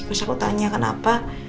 pas aku tanya kenapa